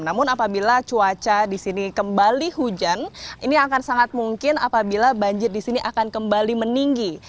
namun apabila cuaca di sini kembali hujan ini akan sangat mungkin apabila banjir di sini akan kembali meninggi